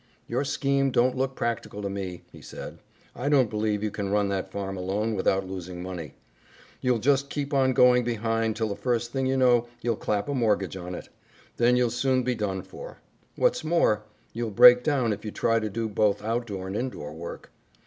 "Your scheme don't look practical to me," he said. "I don't believe you can run that farm alone without losing money. You'll just keep on going behind till the first thing you know you'll clap a mortgage on it. Then you'll soon be done for. What's more, you'll break down if you try to do both outdoor and indoor work.